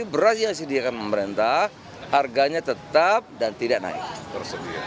beras yang disediakan pemerintah harganya tetap dan tidak naik tersedia